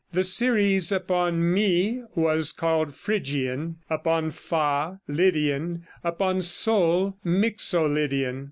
The series upon mi was called Phrygian, upon fa Lydian; upon sol Mixo Lydian.